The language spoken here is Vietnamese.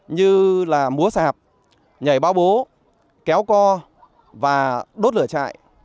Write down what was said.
như là múa xạp nhảy báo bố kéo co và đốt lửa trại